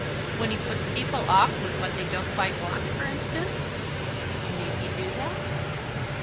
"When he puts people off with what they don't quite want, for instance?" "Need he do that?"